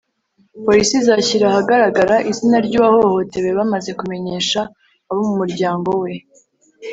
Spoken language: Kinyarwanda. Polisi izashyira ahagaragara izina ryuwahohotewe bamaze kumenyesha abo mu muryango we